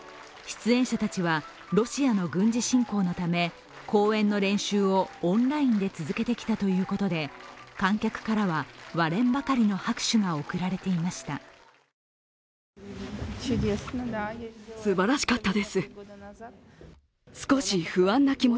出演者たちは、ロシアの軍事侵攻のため公演の練習をオンラインで続けてきたということで観客からは割れんばかりの拍手が送られていました。